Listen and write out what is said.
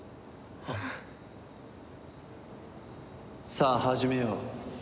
さあ始めよう。